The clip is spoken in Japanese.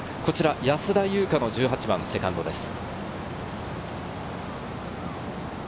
安田祐香、１８番のセカンドです。